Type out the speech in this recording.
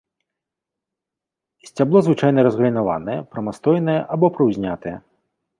Сцябло звычайна разгалінаванае, прамастойнае або прыўзнятае.